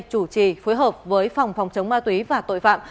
chủ trì phối hợp với phòng phòng chống ma túy và tội phạm